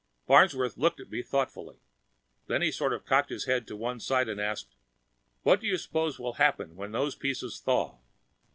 Farnsworth looked at me thoughtfully. Then he sort of cocked his head to one side and asked, "What do you suppose will happen when those pieces thaw?"